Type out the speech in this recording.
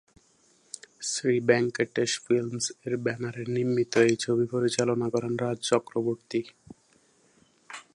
শ্রী ভেঙ্কটেশ ফিল্মস-এর ব্যানারে নির্মিত এই ছবি পরিচালনা করেন রাজ চক্রবর্তী।